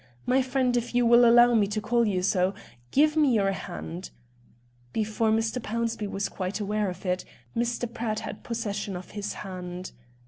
My friend, if you will allow me to call you so, give me your hand." Before Mr. Pownceby was quite aware of it, Mr. Pratt had possession of his hand.